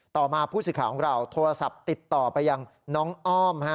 ต่อมาผู้สื่อข่าวของเราโทรศัพท์ติดต่อไปยังน้องอ้อม